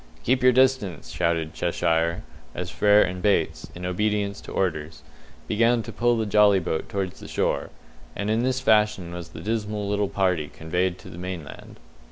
"Keep your distance!" shouted Cheshire, as Frere and Bates, in obedience to orders, began to pull the jolly boat towards the shore; and in this fashion was the dismal little party conveyed to the mainland.